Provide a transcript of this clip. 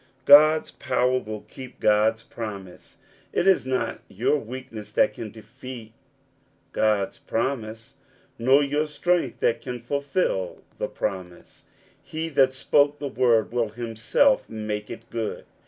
God's power will keep God's promise. It is not your weakness that can defeat God's promise, nor your strength that can fulfil the promise : he that spoke the word will himself make it good.